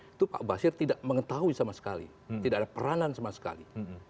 itu pak basir tidak mengetahui sama sekali tidak ada peranan sama sekali